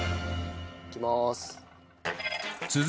いきまーす。